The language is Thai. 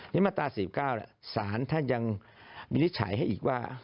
นี่มาตรา๔๙น่ะศาลท่านยังไปได้ใดใจให้อีกว่า